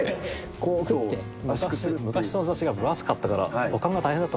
昔その雑誌が分厚かったから保管が大変だったんですね。